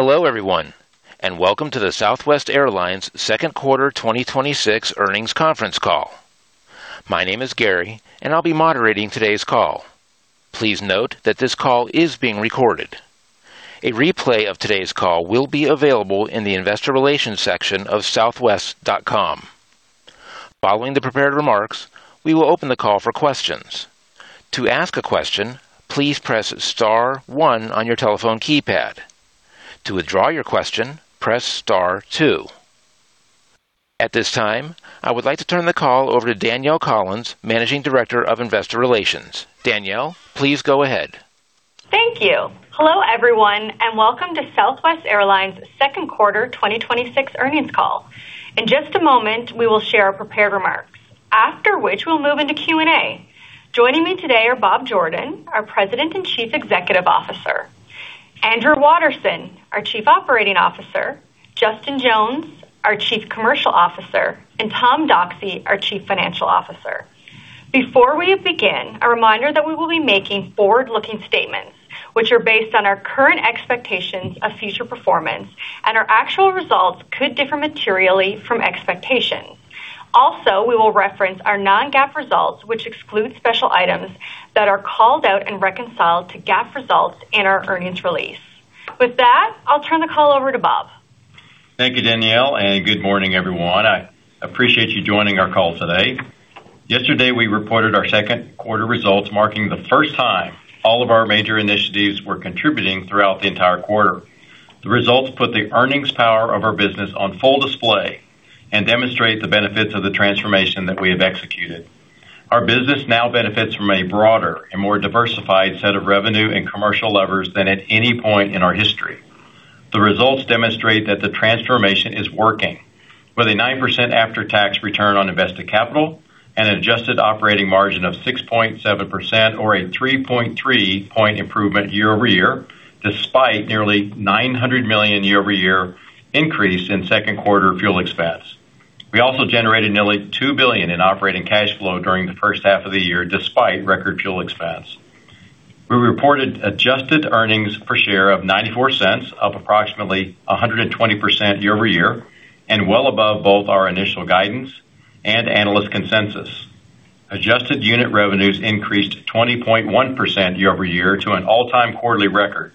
Hello, everyone, welcome to the Southwest Airlines second quarter 2026 earnings conference call. My name is Gary, I'll be moderating today's call. Please note that this call is being recorded. A replay of today's call will be available in the investor relations section of southwest.com. Following the prepared remarks, we will open the call for questions. To ask a question, please press star one on your telephone keypad. To withdraw your question, press star two. At this time, I would like to turn the call over to Danielle Collins, Managing Director of Investor Relations. Danielle, please go ahead. Thank you. Hello, everyone, welcome to Southwest Airlines second quarter 2026 earnings call. In just a moment, we will share our prepared remarks, after which we'll move into Q&A. Joining me today are Bob Jordan, our President and Chief Executive Officer, Andrew Watterson, our Chief Operating Officer, Justin Jones, our Chief Commercial Officer, and Tom Doxey, our Chief Financial Officer. Before we begin, a reminder that we will be making forward-looking statements, which are based on our current expectations of future performance, our actual results could differ materially from expectations. Also, we will reference our Non-GAAP results, which exclude special items that are called out and reconciled to GAAP results in our earnings release. With that, I'll turn the call over to Bob. Thank you, Danielle, good morning, everyone. I appreciate you joining our call today. Yesterday, we reported our second quarter results, marking the first time all of our major initiatives were contributing throughout the entire quarter. The results put the earnings power of our business on full display and demonstrate the benefits of the transformation that we have executed. Our business now benefits from a broader and more diversified set of revenue and commercial levers than at any point in our history. The results demonstrate that the transformation is working with a 9% after-tax return on invested capital and an adjusted operating margin of 6.7%, or a 3.3-point improvement year-over-year, despite nearly $900 million year-over-year increase in second quarter fuel expense. We also generated nearly $2 billion in operating cash flow during the first half of the year, despite record fuel expense. We reported adjusted earnings per share of $0.94, up approximately 120% year-over-year, well above both our initial guidance and analyst consensus. Adjusted unit revenues increased 20.1% year-over-year to an all-time quarterly record,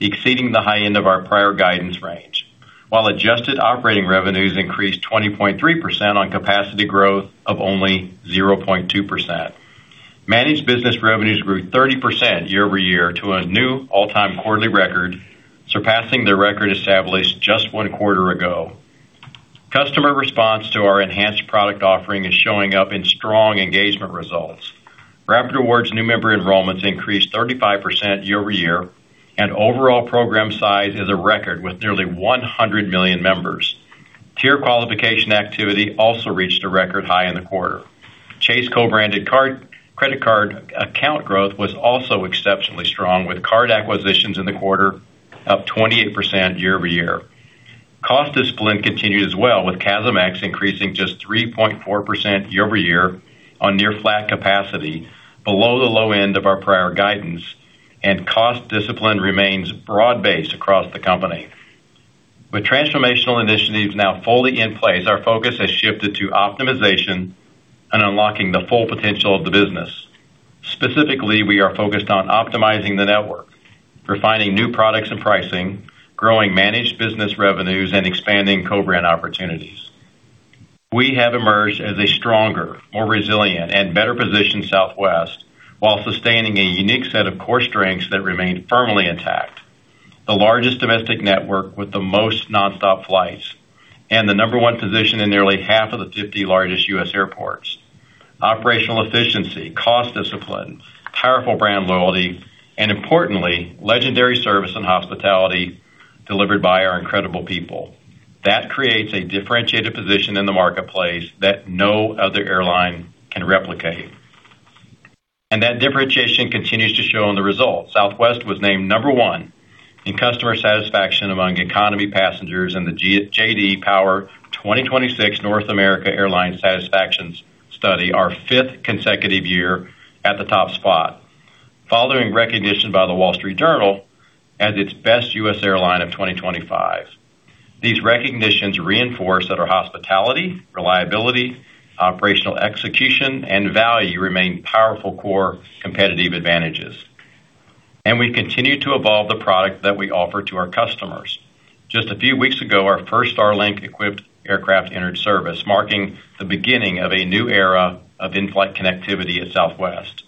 exceeding the high end of our prior guidance range. While adjusted operating revenues increased 20.3% on capacity growth of only 0.2%. Managed business revenues grew 30% year-over-year to a new all-time quarterly record, surpassing the record established just Q1uarter ago. Customer response to our enhanced product offering is showing up in strong engagement results. Rapid Rewards new member enrollments increased 35% year-over-year, overall program size is a record with nearly 100 million members. Tier qualification activity also reached a record high in the quarter. Chase co-branded credit card account growth was also exceptionally strong, with card acquisitions in the quarter up 28% year-over-year. Cost discipline continued as well, with CASM increases increasing just 3.4% year-over-year on near flat capacity, below the low end of our prior guidance. Cost discipline remains broad-based across the company. With transformational initiatives now fully in place, our focus has shifted to optimization and unlocking the full potential of the business. Specifically, we are focused on optimizing the network, refining new products and pricing, growing managed business revenues, and expanding co-brand opportunities. We have emerged as a stronger, more resilient, and better-positioned Southwest while sustaining a unique set of core strengths that remain firmly intact. The largest domestic network with the most nonstop flights and the number one position in nearly half of the 50 largest U.S. airports. Operational efficiency, cost discipline, powerful brand loyalty, and importantly, legendary service and hospitality delivered by our incredible people. That creates a differentiated position in the marketplace that no other airline can replicate. That differentiation continues to show in the results. Southwest was named number one in customer satisfaction among economy passengers in the J.D. Power 2026 North America Airline Satisfaction Study, our fifth consecutive year at the top spot, following recognition by "The Wall Street Journal" as its best U.S. airline of 2025. These recognitions reinforce that our hospitality, reliability, operational execution, and value remain powerful core competitive advantages. We continue to evolve the product that we offer to our customers. Just a few weeks ago, our first Starlink-equipped aircraft entered service, marking the beginning of a new era of in-flight connectivity at Southwest.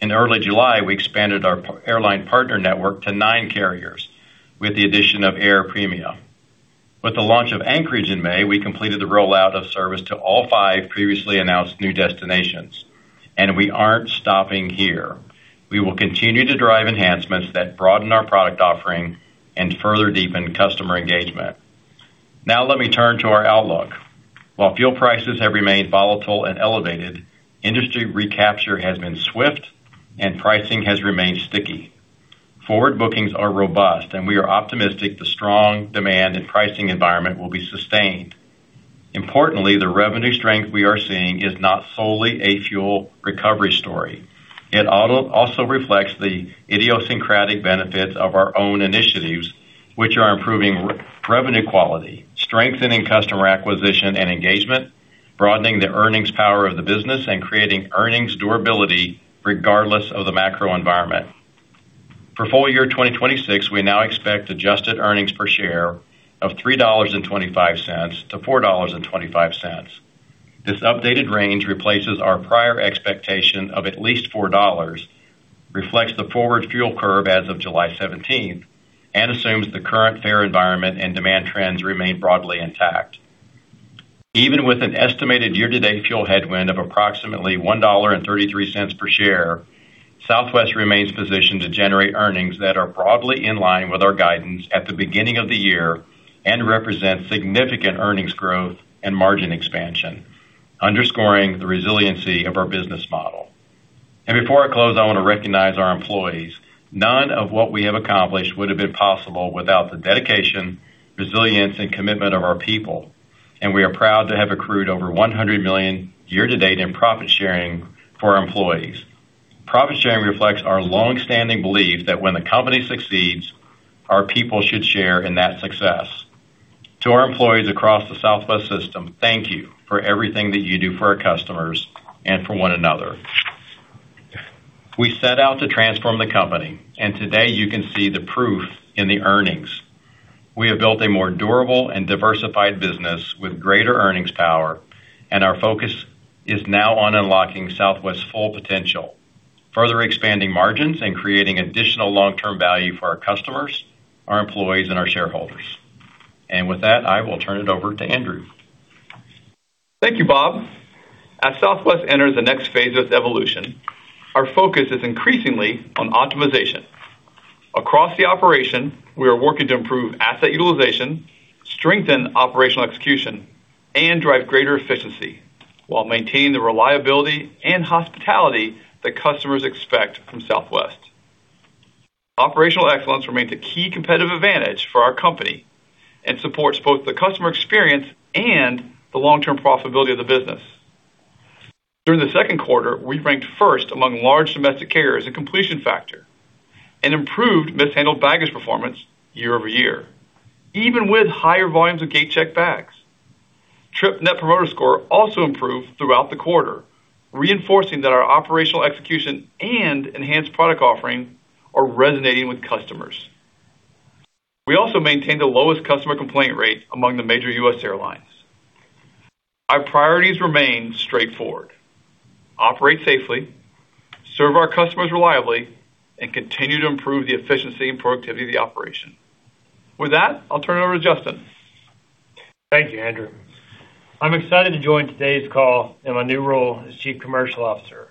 In early July, we expanded our airline partner network to nine carriers with the addition of Air Premia. With the launch of Anchorage in May, we completed the rollout of service to all five previously announced new destinations. We aren't stopping here. We will continue to drive enhancements that broaden our product offering and further deepen customer engagement. Let me turn to our outlook. While fuel prices have remained volatile and elevated, industry recapture has been swift and pricing has remained sticky. Forward bookings are robust and we are optimistic the strong demand and pricing environment will be sustained. Importantly, the revenue strength we are seeing is not solely a fuel recovery story. It also reflects the idiosyncratic benefits of our own initiatives, which are improving revenue quality, strengthening customer acquisition and engagement, broadening the earnings power of the business, and creating earnings durability regardless of the macro environment. For full year 2026, we now expect adjusted earnings per share of $3.25-$4.25. This updated range replaces our prior expectation of at least $4, reflects the forward fuel curve as of July 17th, and assumes the current fare environment and demand trends remain broadly intact. Even with an estimated year-to-date fuel headwind of approximately $1.33 per share, Southwest remains positioned to generate earnings that are broadly in line with our guidance at the beginning of the year and represent significant earnings growth and margin expansion, underscoring the resiliency of our business model. Before I close, I want to recognize our employees. None of what we have accomplished would have been possible without the dedication, resilience, and commitment of our people, and we are proud to have accrued over $100 million year-to-date in profit sharing for our employees. Profit sharing reflects our longstanding belief that when the company succeeds, our people should share in that success. To our employees across the Southwest system, thank you for everything that you do for our customers and for one another. We set out to transform the company, today you can see the proof in the earnings. We have built a more durable and diversified business with greater earnings power, our focus is now on unlocking Southwest's full potential, further expanding margins and creating additional long-term value for our customers, our employees, and our shareholders. With that, I will turn it over to Andrew. Thank you, Bob. As Southwest enters the next phase of its evolution, our focus is increasingly on optimization. Across the operation, we are working to improve asset utilization, strengthen operational execution, and drive greater efficiency while maintaining the reliability and hospitality that customers expect from Southwest. Operational excellence remains a key competitive advantage for our company and supports both the customer experience and the long-term profitability of the business. During the second quarter, we ranked first among large domestic carriers in completion factor and improved mishandled baggage performance year-over-year, even with higher volumes of gate-checked bags. Trip net promoter score also improved throughout the quarter, reinforcing that our operational execution and enhanced product offering are resonating with customers. We also maintained the lowest customer complaint rate among the major U.S. airlines. Our priorities remain straightforward: operate safely, serve our customers reliably, and continue to improve the efficiency and productivity of the operation. With that, I'll turn it over to Justin. Thank you, Andrew. I'm excited to join today's call in my new role as chief commercial officer,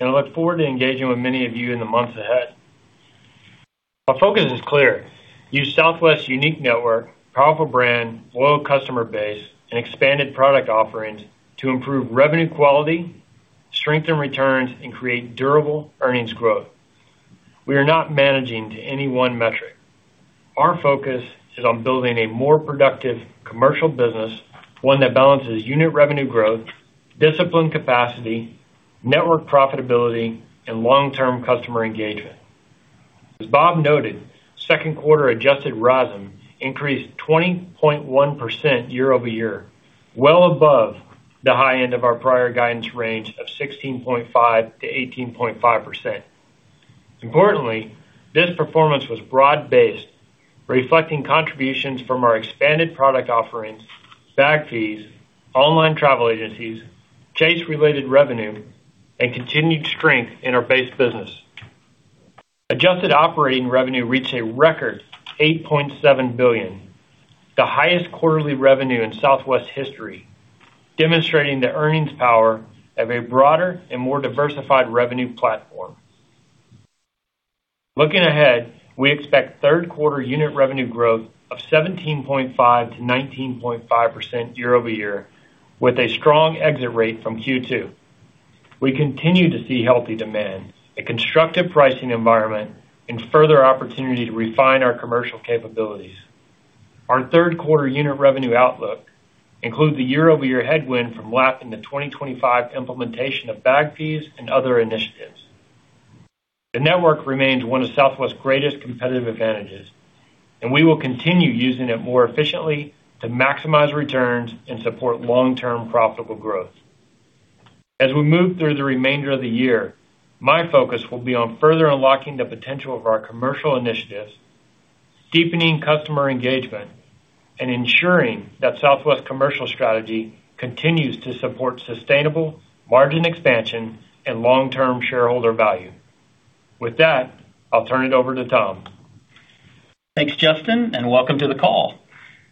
I look forward to engaging with many of you in the months ahead. Our focus is clear. Use Southwest's unique network, powerful brand, loyal customer base, and expanded product offerings to improve revenue quality, strengthen returns, and create durable earnings growth. We are not managing to any one metric. Our focus is on building a more productive commercial business, one that balances unit revenue growth, discipline capacity, network profitability, and long-term customer engagement. As Bob noted, second quarter adjusted RASM increased 20.1% year-over-year, well above the high end of our prior guidance range of 16.5%-18.5%. Importantly, this performance was broad-based, reflecting contributions from our expanded product offerings, bag fees, online travel agencies, change-related revenue, and continued strength in our base business. Adjusted operating revenue reached a record $8.7 billion, the highest quarterly revenue in Southwest history, demonstrating the earnings power of a broader and more diversified revenue platform. Looking ahead, we expect third quarter unit revenue growth of 17.5%-19.5% year-over-year with a strong exit rate from Q2. We continue to see healthy demand, a constructive pricing environment, and further opportunity to refine our commercial capabilities. Our third quarter unit revenue outlook includes the year-over-year headwind from lapping the 2025 implementation of bag fees and other initiatives. The network remains one of Southwest's greatest competitive advantages, and we will continue using it more efficiently to maximize returns and support long-term profitable growth. As we move through the remainder of the year, my focus will be on further unlocking the potential of our commercial initiatives, deepening customer engagement, and ensuring that Southwest commercial strategy continues to support sustainable margin expansion and long-term shareholder value. With that, I'll turn it over to Tom. Thanks, Justin, and welcome to the call.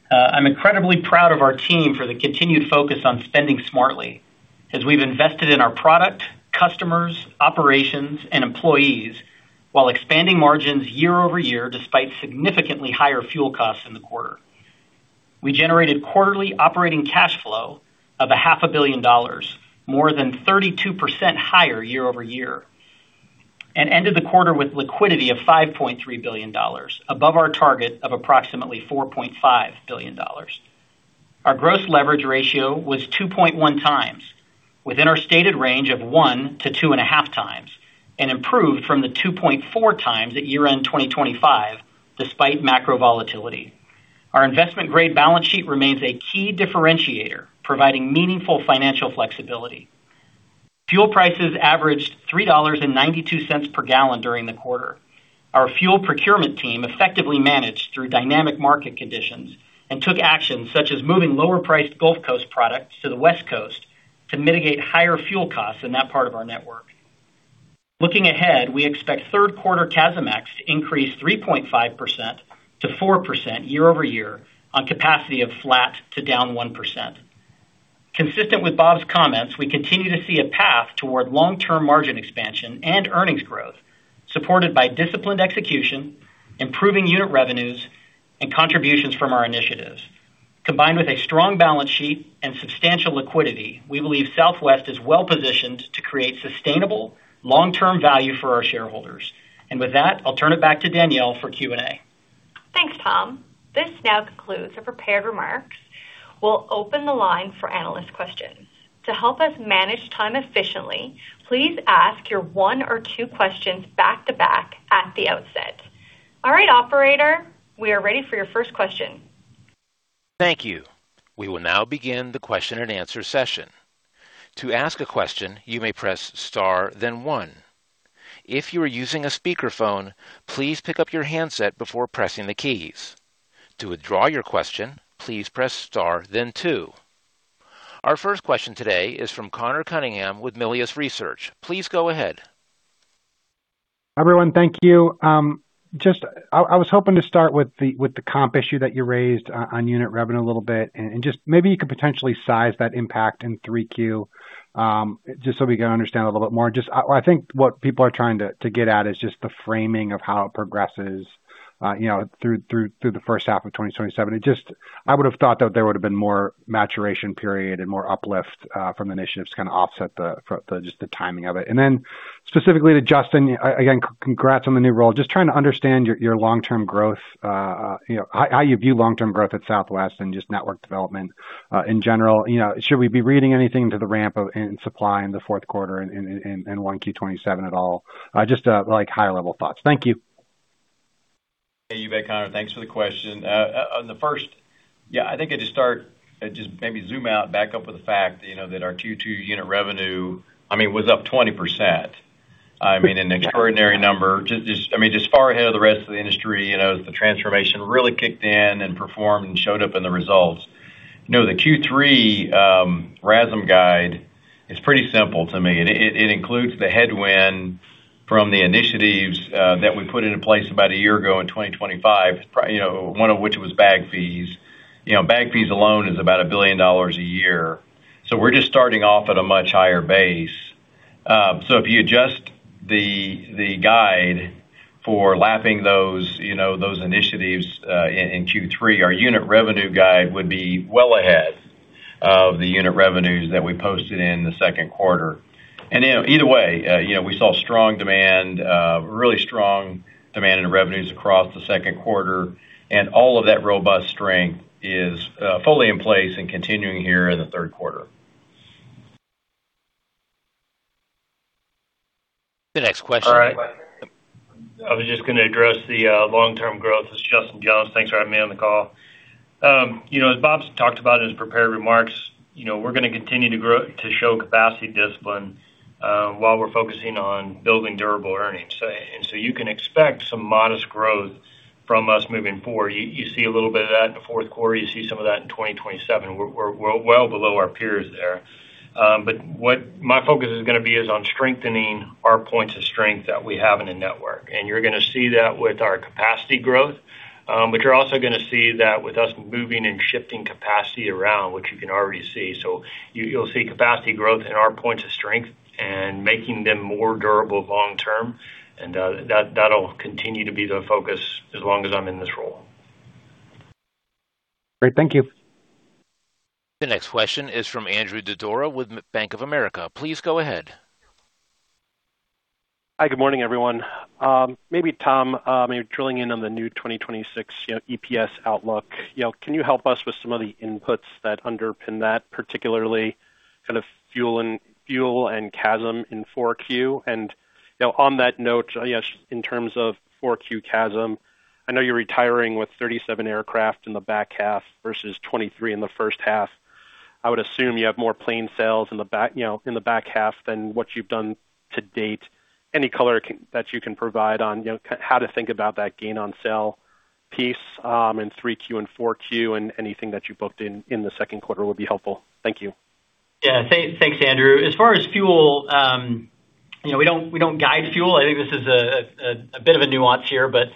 I'm incredibly proud of our team for the continued focus on spending smartly as we've invested in our product, customers, operations, and employees while expanding margins year-over-year despite significantly higher fuel costs in the quarter. We generated quarterly operating cash flow of a half a billion dollars, more than 32% higher year-over-year Ended the quarter with liquidity of $5.3 billion, above our target of approximately $4.5 billion. Our gross leverage ratio was 2.1 times, within our stated range of 1-2.5 times, and improved from the 2.4 times at year-end 2025, despite macro volatility. Our investment-grade balance sheet remains a key differentiator, providing meaningful financial flexibility. Fuel prices averaged $3.92 per gallon during the quarter. Our fuel procurement team effectively managed through dynamic market conditions and took actions such as moving lower-priced Gulf Coast products to the West Coast to mitigate higher fuel costs in that part of our network. Looking ahead, we expect third quarter CASM-X to increase 3.5%-4% year-over-year on capacity of flat to down 1%. Consistent with Bob Jordan's comments, we continue to see a path toward long-term margin expansion and earnings growth, supported by disciplined execution, improving unit revenues, and contributions from our initiatives. Combined with a strong balance sheet and substantial liquidity, we believe Southwest Airlines is well-positioned to create sustainable long-term value for our shareholders. With that, I'll turn it back to Danielle Collins for Q&A. Thanks, Tom Doxey. This now concludes the prepared remarks. We'll open the line for analyst questions. To help us manage time efficiently, please ask your one or Q2uestions back-to-back at the outset. All right, operator, we are ready for your first question. Thank you. We will now begin the question and answer session. To ask a question, you may press star then one. If you are using a speakerphone, please pick up your handset before pressing the keys. To withdraw your question, please press star then two. Our first question today is from Conor Cunningham with Melius Research. Please go ahead. Everyone, thank you. I was hoping to start with the comp issue that you raised on unit revenue a little bit, and just maybe you could potentially size that impact in 3Q, just so we can understand a little bit more. I think what people are trying to get at is just the framing of how it progresses through the first half of 2027. I would have thought that there would have been more maturation period and more uplift from initiatives to kind of offset just the timing of it. Then specifically to Justin Jones, again, congrats on the new role. Just trying to understand your long-term growth, how you view long-term growth at Southwest Airlines and just network development in general. Should we be reading anything to the ramp in supply in the fourth quarter in Q1 2027 at all? Just high-level thoughts. Thank you. Hey, you bet, Conor. Thanks for the question. On the first, yeah, I think I just start, just maybe zoom out, back up with the fact that our Q2 unit revenue was up 20%. An extraordinary number. Just far ahead of the rest of the industry as the transformation really kicked in and performed and showed up in the results. The Q3 RASM guide is pretty simple to me. It includes the headwind from the initiatives that we put into place about a year ago in 2025, one of which was bag fees. Bag fees alone is about $1 billion a year. We're just starting off at a much higher base. If you adjust the guide for lapping those initiatives in Q3, our unit revenue guide would be well ahead of the unit revenues that we posted in the second quarter. Either way, we saw strong demand, really strong demand in revenues across the second quarter, and all of that robust strength is fully in place and continuing here in the third quarter. The next question. All right. I was just going to address the long-term growth. This is Justin Jones. Thanks for having me on the call. As Bob's talked about in his prepared remarks, we're going to continue to show capacity discipline while we're focusing on building durable earnings. You can expect some modest growth from us moving forward. You see a little bit of that in the fourth quarter. You see some of that in 2027. We're well below our peers there. What my focus is going to be is on strengthening our points of strength that we have in the network. You're going to see that with our capacity growth. You're also going to see that with us moving and shifting capacity around, which you can already see. You'll see capacity growth in our points of strength and making them more durable long-term, and that'll continue to be the focus as long as I'm in this role. Great. Thank you. The next question is from Andrew Didora with Bank of America. Please go ahead. Hi, good morning, everyone. Maybe Tom, maybe drilling in on the new 2026 EPS outlook. Can you help us with some of the inputs that underpin that, particularly fuel and CASM in Q4? On that note, in terms of Q4 CASM, I know you're retiring with 37 aircraft in the back half versus 23 in the first half. I would assume you have more plane sales in the back half than what you've done to date. Any color that you can provide on how to think about that gain on sale piece in Q3 and Q4 and anything that you booked in the second quarter would be helpful. Thank you. Thanks, Andrew. As far as fuel, we don't guide fuel. I think this is a bit of a nuance here, but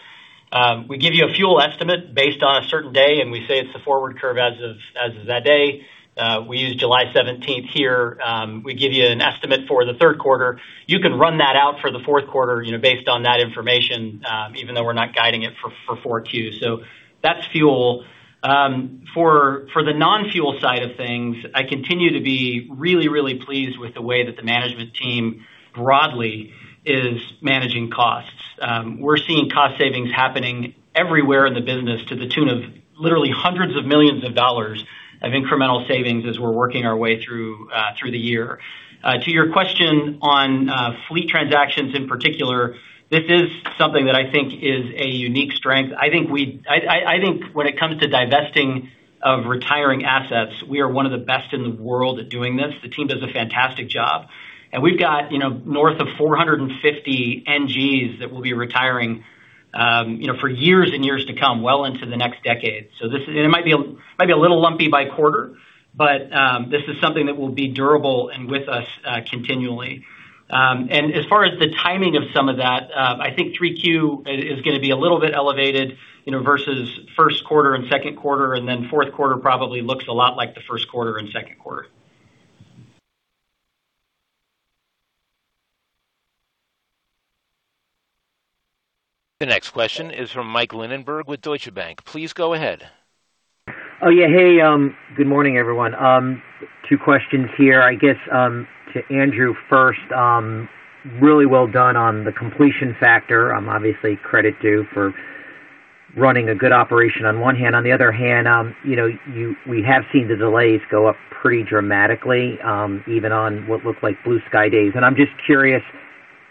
we give you a fuel estimate based on a certain day, and we say it's the forward curve as of that day. We use July 17th here. We give you an estimate for the third quarter. You can run that out for the fourth quarter based on that information, even though we're not guiding it for 4Q. That's fuel. For the non-fuel side of things, I continue to be really, really pleased with the way that the management team broadly is managing costs. We're seeing cost savings happening everywhere in the business to the tune of literally hundreds of millions of dollars of incremental savings as we're working our way through the year. To your question on fleet transactions in particular, this is something that I think is a unique strength. I think when it comes to divesting of retiring assets, we are one of the best in the world at doing this. The team does a fantastic job. We've got north of 450 NGs that we'll be retiring for years and years to come, well into the next decade. It might be a little lumpy by quarter, but this is something that will be durable and with us continually. As far as the timing of some of that, I think 3Q is going to be a little bit elevated versus first quarter and second quarter, fourth quarter probably looks a lot like the first quarter and second quarter. The next question is from Michael Linenberg with Deutsche Bank. Please go ahead. Good morning, everyone. Two questions here, I guess, to Andrew first. Really well done on the completion factor. Obviously credit due for running a good operation on one hand. On the other hand, we have seen the delays go up pretty dramatically, even on what look like blue sky days. I'm just curious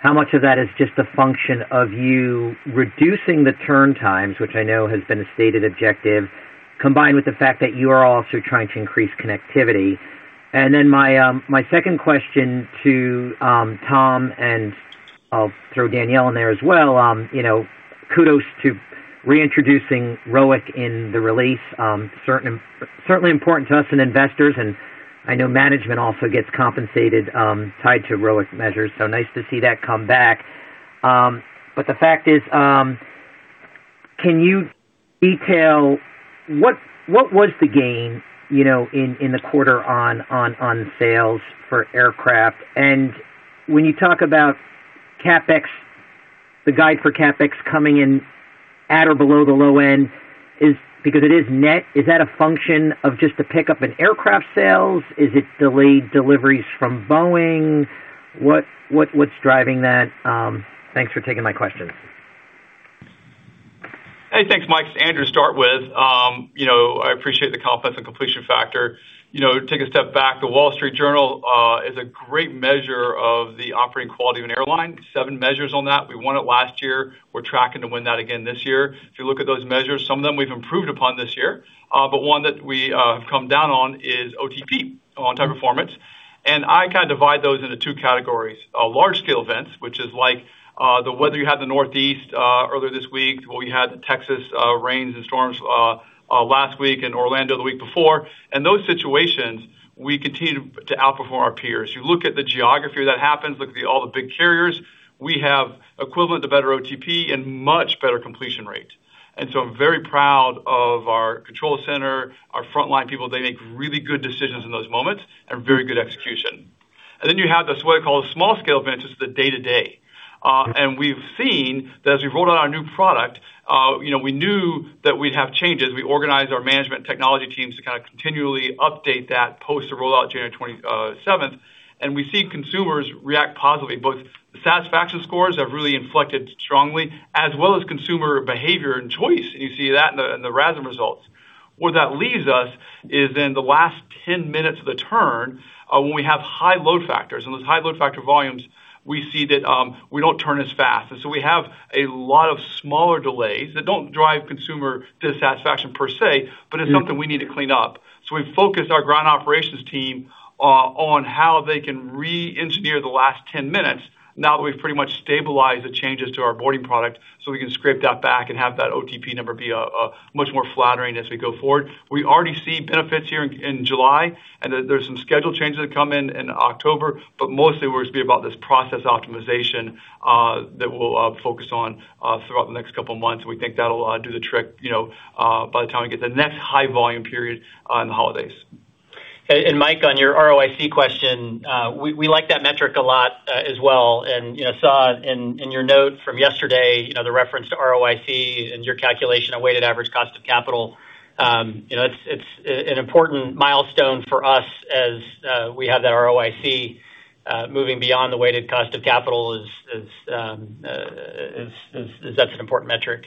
how much of that is just a function of you reducing the turn times, which I know has been a stated objective, combined with the fact that you are also trying to increase connectivity. My second question to Tom, and I'll throw Danielle in there as well. Kudos to reintroducing ROIC in the release. Certainly important to us and investors, and I know management also gets compensated tied to ROIC measures, so nice to see that come back. The fact is, can you detail what was the gain in the quarter on sales for aircraft? When you talk about CapEx, the guide for CapEx coming in at or below the low end, because it is net, is that a function of just the pickup in aircraft sales? Is it delayed deliveries from Boeing? What's driving that? Thanks for taking my questions. Hey, thanks, Mike. It's Andrew to start with. I appreciate the compliment on the completion factor. Take a step back. The Wall Street Journal is a great measure of the operating quality of an airline. Seven measures on that. We won it last year. We're tracking to win that again this year. If you look at those measures, some of them we've improved upon this year. But one that we have come down on is OTP, on-time performance, and I kind of divide those into two categories. Large-scale events, which is like the weather you had in the Northeast earlier this week, what we had in Texas, rains and storms last week in Orlando the week before. In those situations, we continue to outperform our peers. You look at the geography that happens; look at all the big carriers. We have equivalent to better OTP, and much better completion rate. I'm very proud of our control center, our frontline people. They make really good decisions in those moments and very good execution. Then you have what I call the small-scale events. It's the day-to-day. We've seen that as we rolled out our new product, we knew that we'd have changes. We organized our management technology teams to kind of continually update that post the rollout January 27th, and we see consumers react positively. Both the satisfaction scores have really inflected strongly as well as consumer behavior and choice, and you see that in the RASM results. Where that leaves us is in the last 10 minutes of the turn, when we have high load factors. In those high load factor volumes, we see that we don't turn as fast. We have a lot of smaller delays that don't drive consumer dissatisfaction per se, but it's something we need to clean up. So we've focused our ground operations team on how they can re-engineer the last 10 minutes now that we've pretty much stabilized the changes to our boarding product, so we can scrape that back and have that OTP number be much more flattering as we go forward. We already see benefits here in July, and there's some schedule changes that come in in October, but mostly we're just going to be about this process optimization that we'll focus on throughout the next couple of months. We think that'll do the trick by the time we get to the next high volume period on the holidays. Mike, on your ROIC question, we like that metric a lot as well, saw in your note from yesterday the reference to ROIC and your calculation of weighted average cost of capital. It's an important milestone for us as we have that ROIC moving beyond the weighted cost of capital, that's an important metric.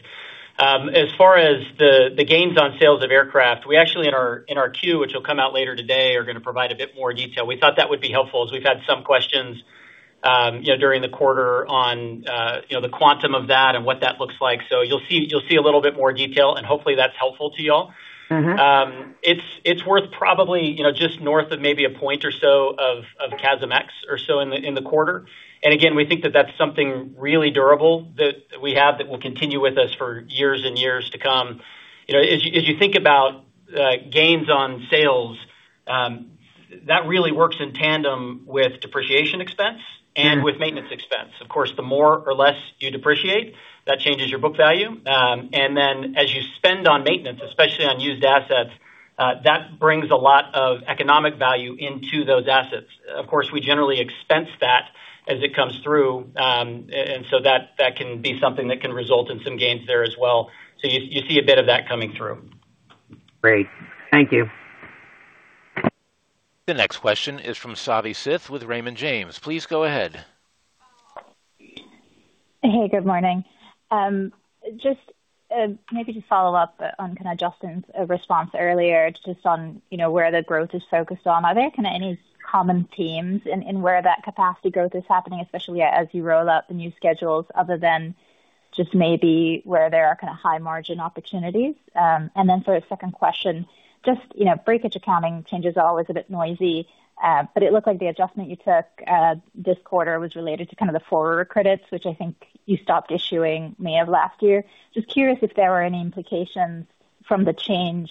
As far as the gains on sales of aircraft, we actually in our Q, which will come out later today, are going to provide a bit more detail. We thought that would be helpful as we've had some questions during the quarter on the quantum of that and what that looks like. You'll see a little bit more detail and hopefully that's helpful to you all. It's worth probably just north of maybe a point or so of CASM-X or so in the quarter. Again, we think that that's something really durable that we have that will continue with us for years and years to come. As you think about gains on sales, that really works in tandem with depreciation expense and with maintenance expense. The more or less you depreciate, that changes your book value. Then as you spend on maintenance, especially on used assets, that brings a lot of economic value into those assets. Of course, we generally expense that As it comes through. That can be something that can result in some gains there as well. You see a bit of that coming through. Great. Thank you. The next question is from Savi Syth with Raymond James. Please go ahead. Hey, good morning. Maybe to follow up on kind of Justin's response earlier, just on where the growth is focused on. Are there any common themes in where that capacity growth is happening, especially as you roll out the new schedules, other than just maybe where there are kind of high-margin opportunities? For a second question, just breakage accounting changes are always a bit noisy, but it looked like the adjustment you took this quarter was related to kind of the forward credits, which I think you stopped issuing May of last year. Just curious if there were any implications from the change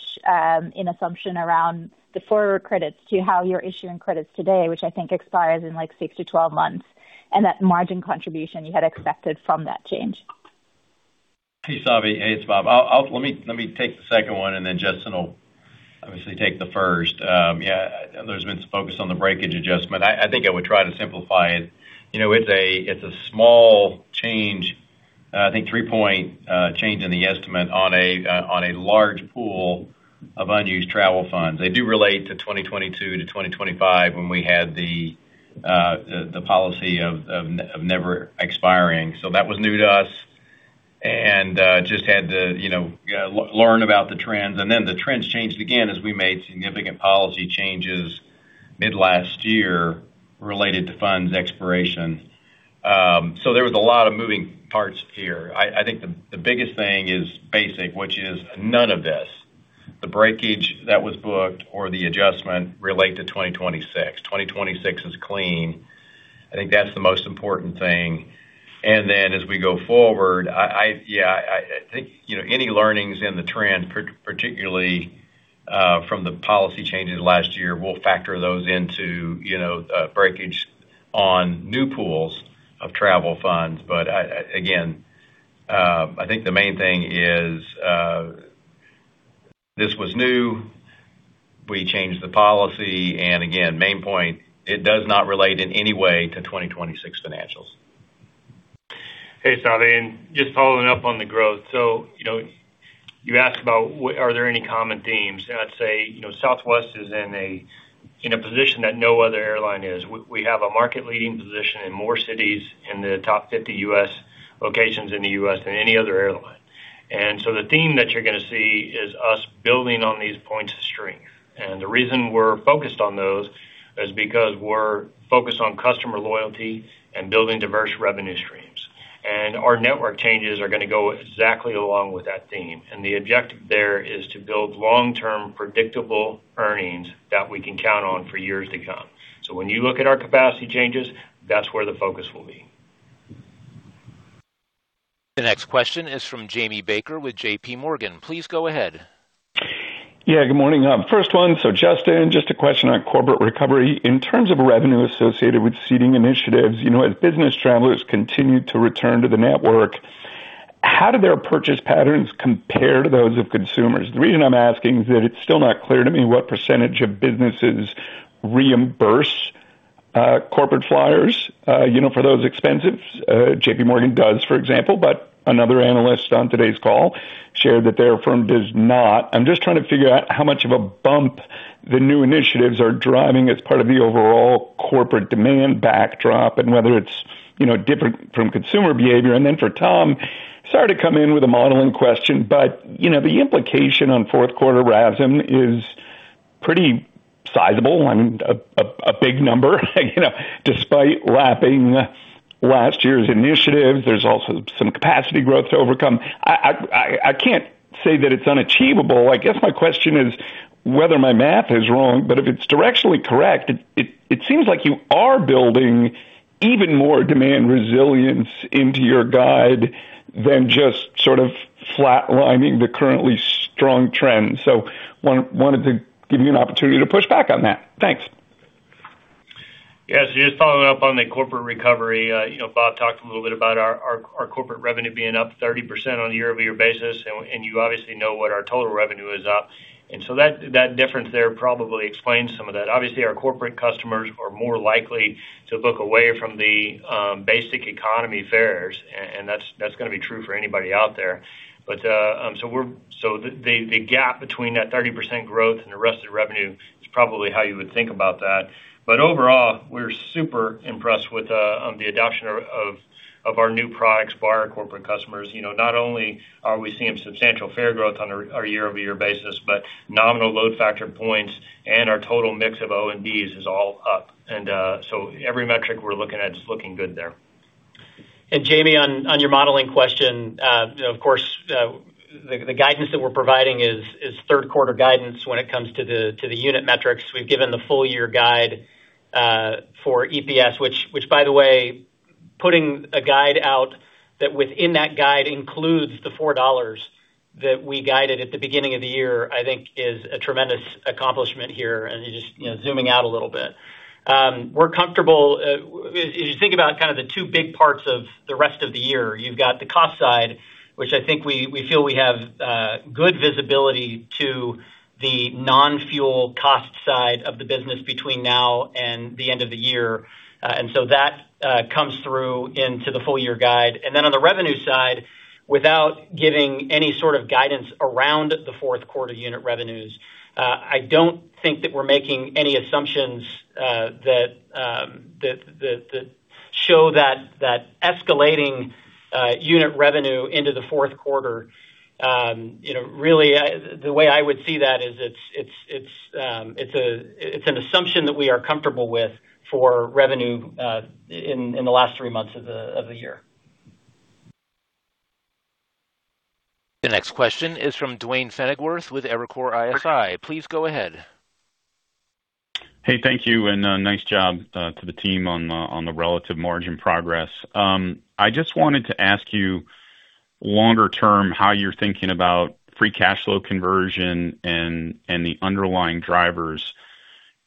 in assumption around the forward credits to how you're issuing credits today, which I think expires in 6 months-12 months, and that margin contribution you had expected from that change. Hey, Savi. Hey, it's Bob. Let me take the second one, Justin will obviously take the first. Yeah. There's been some focus on the breakage adjustment. I think I would try to simplify it. It's a small change, I think three-point change in the estimate on a large pool of unused travel funds. They do relate to 2022-2025 when we had the policy of never expiring. That was new to us and just had to learn about the trends, the trends changed again as we made significant policy changes mid last year related to funds expiration. There was a lot of moving parts here. I think the biggest thing is basic, which is none of this, the breakage that was booked or the adjustment relate to 2026. 2026 is clean. I think that's the most important thing. As we go forward, I think any learnings in the trend, particularly from the policy changes last year, we'll factor those into breakage on new pools of travel funds. Again, I think the main thing is this was new. We changed the policy and again, main point, it does not relate in any way to 2026 financials. Hey, Savi Syth, just following up on the growth. You asked about are there any common themes? I'd say Southwest is in a position that no other airline is. We have a market-leading position in more cities in the top 50 U.S. locations in the U.S. than any other airline. The theme that you're going to see is us building on these points of strength. The reason we're focused on those is because we're focused on customer loyalty and building diverse revenue streams. Our network changes are going to go exactly along with that theme. The objective there is to build long-term predictable earnings that we can count on for years to come. When you look at our capacity changes, that's where the focus will be. The next question is from Jamie Baker with J.P. Morgan. Please go ahead. Yeah, good morning. First one, Justin, just a question on corporate recovery. In terms of revenue associated with seating initiatives, as business travelers continue to return to the network, how do their purchase patterns compare to those of consumers? The reason I'm asking is that it's still not clear to me what % of businesses reimburse corporate flyers for those expenses. J.P. Morgan does, for example, another analyst on today's call shared that their firm does not. I'm just trying to figure out how much of a bump the new initiatives are driving as part of the overall corporate demand backdrop and whether it's different from consumer behavior. For Tom, sorry to come in with a modeling question, the implication on fourth quarter RASM is pretty sizable and a big number despite lapping last year's initiatives. There's also some capacity growth to overcome. I can't say that it's unachievable. I guess my question is whether my math is wrong, if it's directionally correct, it seems like you are building even more demand resilience into your guide than just sort of flat-lining the currently strong trends. Wanted to give you an opportunity to push back on that. Thanks. Yes, just following up on the corporate recovery. Bob talked a little bit about our corporate revenue being up 30% on a year-over-year basis, and you obviously know what our total revenue is up. That difference there probably explains some of that. Obviously, our corporate customers are more likely to book away from the basic economy fares, and that's going to be true for anybody out there. The gap between that 30% growth and the rest of the revenue is probably how you would think about that. Overall, we're super impressed with the adoption of our new products by our corporate customers. Not only are we seeing substantial fare growth on a year-over-year basis, but nominal load factor points and our total mix of O&D is all up. Every metric we're looking at is looking good there. Jamie, on your modeling question, of course, the guidance that we're providing is third quarter guidance when it comes to the unit metrics. We've given the full year guide for EPS, which by the way, putting a guide out that within that guide includes the $4 that we guided at the beginning of the year, I think is a tremendous accomplishment here and just zooming out a little bit. We're comfortable. If you think about kind of the two big parts of the rest of the year, you've got the cost side, which I think we feel we have good visibility to the non-fuel cost side of the business between now and the end of the year. That comes through into the full-year guide. On the revenue side, without giving any sort of guidance around the fourth quarter unit revenues, I don't think that we're making any assumptions that show that escalating unit revenue into the fourth quarter. Really, the way I would see that is it's an assumption that we are comfortable with for revenue in the last three months of the year. The next question is from Duane Pfennigwerth with Evercore ISI. Please go ahead. Hey, thank you, and nice job to the team on the relative margin progress. I just wanted to ask you longer term, how you're thinking about free cash flow conversion and the underlying drivers.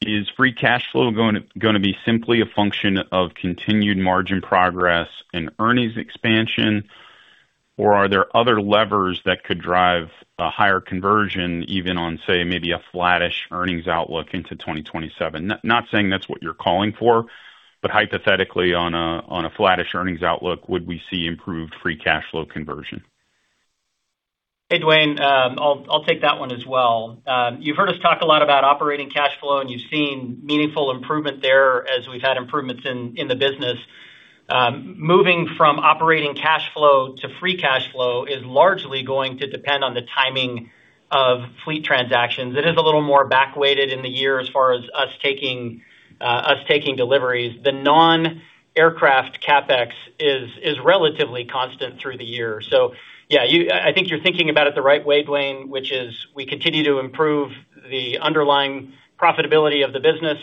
Is free cash flow going to be simply a function of continued margin progress and earnings expansion? Are there other levers that could drive a higher conversion even on, say, maybe a flattish earnings outlook into 2027? Not saying that's what you're calling for, but hypothetically on a flattish earnings outlook, would we see improved free cash flow conversion? Hey, Duane. I'll take that one as well. You've heard us talk a lot about operating cash flow, and you've seen meaningful improvement there as we've had improvements in the business. Moving from operating cash flow to free cash flow is largely going to depend on the timing of fleet transactions. It is a little more back-weighted in the year as far as us taking deliveries. The non-aircraft CapEx is relatively constant through the year. Yeah, I think you're thinking about it the right way, Duane, which is we continue to improve the underlying profitability of the business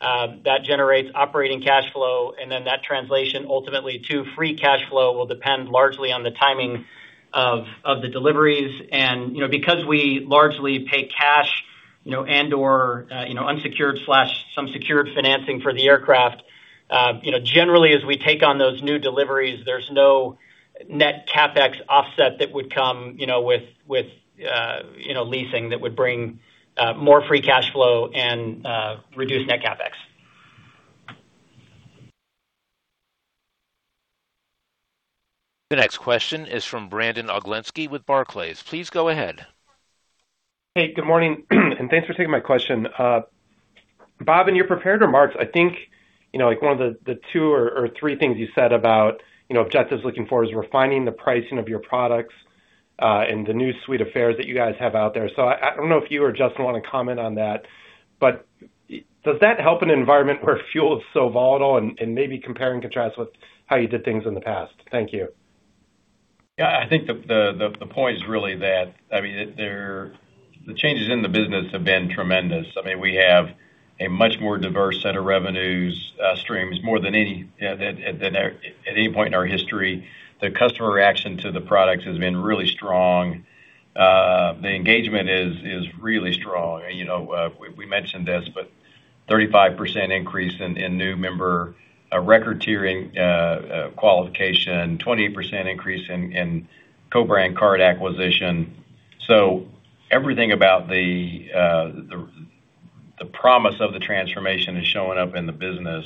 that generates operating cash flow, and then that translation ultimately to free cash flow will depend largely on the timing of the deliveries. Because we largely pay cash and/or unsecured/some secured financing for the aircraft, generally as we take on those new deliveries, there's no net CapEx offset that would come with leasing that would bring more free cash flow and reduce net CapEx. The next question is from Brandon Oglenski with Barclays. Please go ahead. Hey, good morning, and thanks for taking my question. Bob, in your prepared remarks, I think one of the two or three things you said about objectives looking forward is refining the pricing of your products, and the new suite of fares that you guys have out there. I don't know if you or Justin want to comment on that. Does that help an environment where fuel is so volatile and maybe compare and contrast with how you did things in the past? Thank you. Yeah. I think the point is really that, the changes in the business have been tremendous. We have a much more diverse set of revenues streams, more than at any point in our history. The customer reaction to the products has been really strong. The engagement is really strong. We mentioned this, but 35% increase in new member record tiering qualification, 28% increase in co-brand card acquisition. Everything about the promise of the transformation is showing up in the business,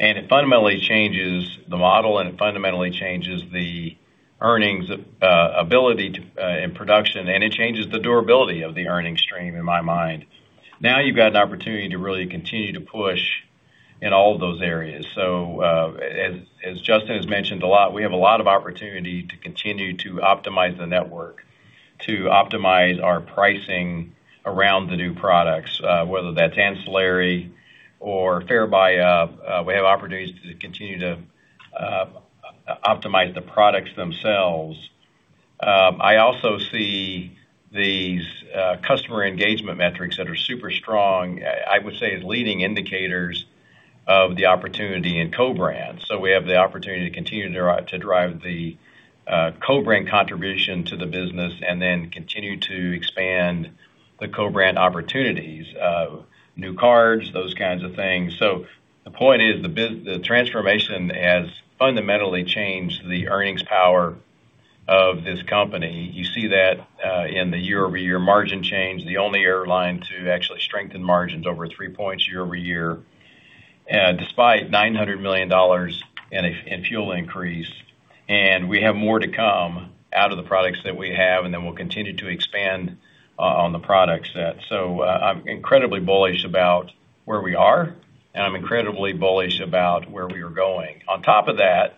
and it fundamentally changes the model and it fundamentally changes the earnings ability in production, and it changes the durability of the earnings stream in my mind. Now you've got an opportunity to really continue to push in all of those areas. As Justin has mentioned a lot, we have a lot of opportunity to continue to optimize the network, to optimize our pricing around the new products, whether that's ancillary or fare buy-up. We have opportunities to continue to optimize the products themselves. I also see these customer engagement metrics that are super strong, I would say as leading indicators of the opportunity in co-brands. We have the opportunity to continue to drive the co-brand contribution to the business and then continue to expand the co-brand opportunities, new cards, those kinds of things. The point is, the transformation has fundamentally changed the earnings power of this company. You see that in the year-over-year margin change, the only airline to actually strengthen margins over three points year-over-year, despite $900 million in fuel increase. We have more to come out of the products that we have, and then we'll continue to expand on the product set. I'm incredibly bullish about where we are, and I'm incredibly bullish about where we are going. On top of that,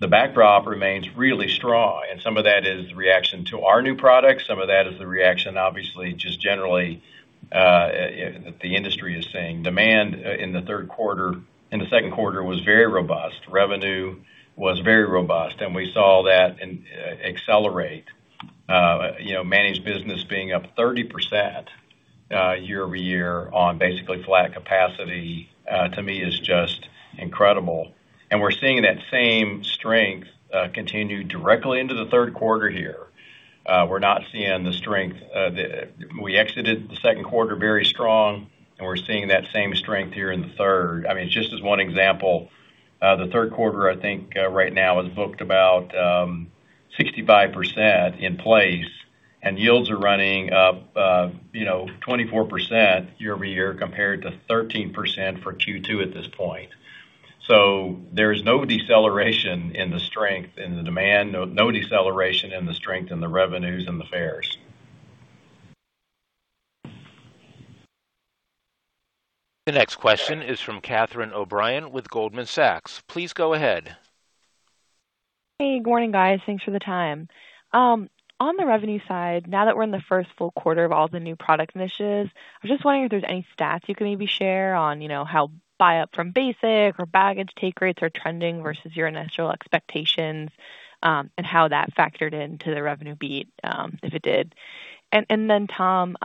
the backdrop remains really strong, and some of that is the reaction to our new products. Some of that is the reaction, obviously, just generally, the industry is seeing demand in the second quarter was very robust. Revenue was very robust, and we saw that accelerate. Managed business being up 30% year-over-year on basically flat capacity, to me is just incredible. We're seeing that same strength continue directly into the third quarter here. We exited the second quarter very strong, and we're seeing that same strength here in the third. The 3rd quarter, I think right now is booked about 65% in place and yields are running up 24% year-over-year compared to 13% for Q2 at this point. There is no deceleration in the strength in the demand, no deceleration in the strength in the revenues and the fares. The next question is from Catherine O'Brien with Goldman Sachs. Please go ahead. Hey, good morning, guys. Thanks for the time. On the revenue side, now that we're in the first full quarter of all the new product initiatives, I was just wondering if there's any stats you can maybe share on how buy up from basic or baggage take rates are trending versus your initial expectations, and how that factored into the revenue beat, if it did. Tom,